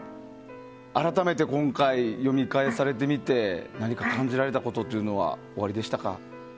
改めて今回読み返されてみて何か感じられたことはおありでしたか。